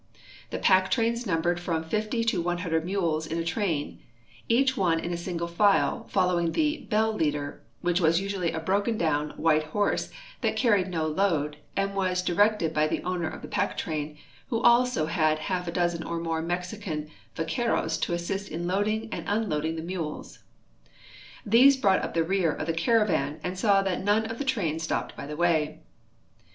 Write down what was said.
The pack trains numbered from 50 to 100 mules in a train, each one in a single file, folloAvingthe " bell leader," Avhich Avas usually a broken doAvn, Avhite horse that carried no load, and Avas di rected by the OAvner of the pack train, Avho also had a half dozen or more Mexican vaqueros to assist in loading and unloading the mules ; these brought up the rear of the caravan and saAv that none of the train stopped by the Avay.